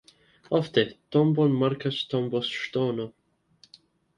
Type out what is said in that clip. Ofte tombon markas tomboŝtono.